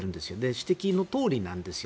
指摘のとおりなんですよ。